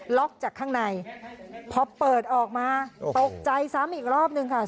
จากข้างในพอเปิดออกมาตกใจซ้ำอีกรอบนึงค่ะ